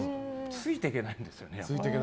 ついていけないんですよね。